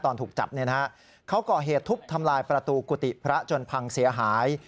ถูกจับเขาก่อเหตุทุบทำลายประตูกุฏิพระจนพังเสียหาย